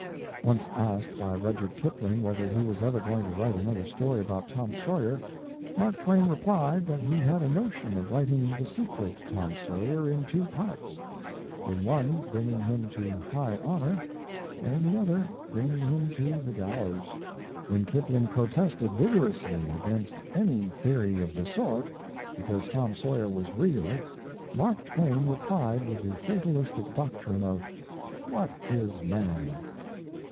Once asked by Rudyard Kipling whether he was ever going to write another story about Tom Sawyer, Mark Twain replied that he had a notion of writing the sequel to Tom Sawyer in two parts, in one bringing him to high honour, and in the other bringing him to the gallows. When Kipling protested vigorously against any theory of the sort, because Tom Sawyer was real, Mark Twain replied with the fatalistic doctrine of 'What is Man?'